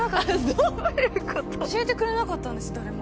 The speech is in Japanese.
どういうこと？教えてくれなかったんです、誰も。